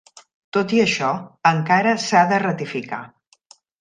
Tot i això, encara s'ha de ratificar.